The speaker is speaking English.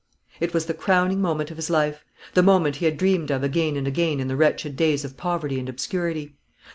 It was the crowning moment of his life; the moment he had dreamed of again and again in the wretched days of poverty and obscurity.